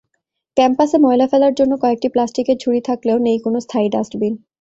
ক্যাম্পাসে ময়লা ফেলার জন্য কয়েকটি প্লাস্টিকের ঝুড়ি থাকলেও নেই কোনো স্থায়ী ডাস্টবিন।